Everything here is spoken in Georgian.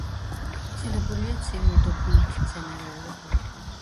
გავრცელებულია ცივი უდაბნოების მცენარეულობა.